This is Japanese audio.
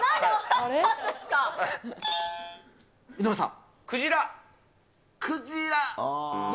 井上さん。